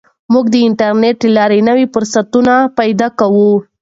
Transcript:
موږ د انټرنیټ له لارې نوي فرصتونه پیدا کوو.